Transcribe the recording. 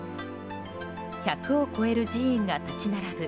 １００を超える寺院が立ち並ぶ